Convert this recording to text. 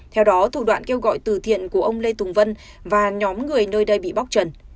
theo đó thủ đoạn kêu gọi từ thiện của ông lê tùng vân và nhóm người nơi đây bị bóc trần